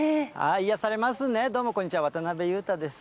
癒やされますね、どうもこんにちは、渡辺裕太です。